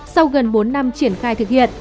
sau gần bốn năm triển khai thực hiện